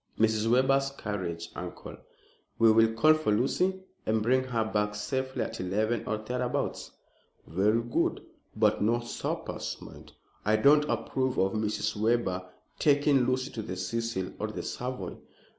"Mrs. Webber's carriage, uncle. We will call for Lucy and bring her back safely at eleven or thereabouts." "Very good; but no suppers, mind. I don't approve of Mrs. Webber taking Lucy to the Cecil or the Savoy."